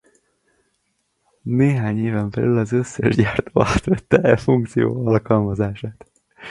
Néhány éven belül az összes gyártó átvette e funkció alkalmazását.